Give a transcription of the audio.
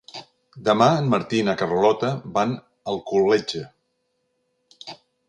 Demà en Martí i na Carlota van a Alcoletge.